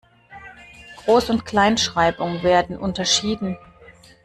Groß- und Kleinschreibung werden unterschieden.